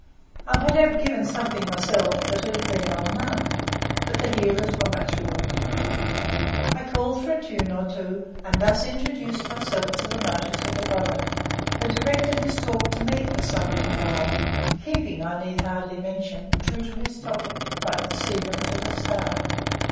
I would have given something myself that it had been on none; but the hearers were much awed. I called for a tune or two, and thus introduced myself to the notice of the brother, who directed his talk to me for some little while, keeping, I need hardly mention, true to his topic, like the seamen to the star.